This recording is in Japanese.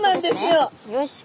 よし。